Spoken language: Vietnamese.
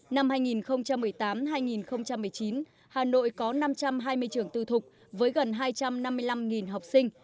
năm hai nghìn một mươi tám hai nghìn một mươi chín hà nội có năm trăm hai mươi trường tư thục với gần hai trăm năm mươi năm học sinh trên hai mươi tám giáo viên